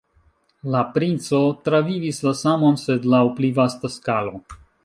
La princo travivis la samon, sed laŭ pli vasta skalo.